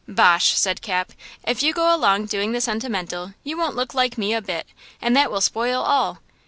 "Bosh!" said Cap. "If you go doing the sentimental you won't look like me a bit, and that will spoil all.